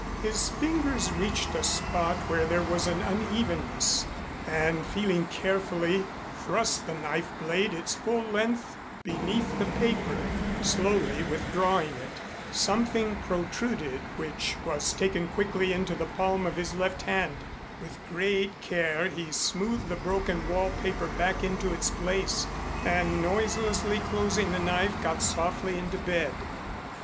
His fingers reached a spot where there was an unevenness, and feeling carefully, thrust the knife blade its full length beneath the paper, slowly withdrawing it. Something protruded which was quickly taken into the palm of his left hand. With great care he smoothed the broken wallpaper back into its place and noiselessly closing the knife got softly into bed.